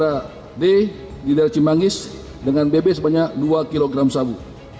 kita amankan bb di kediaman sudara d di darci mangis dengan bb sebanyak dua kg sabu